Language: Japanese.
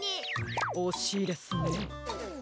おしいですね。